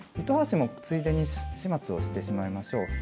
糸端もついでに始末をしてしまいましょう。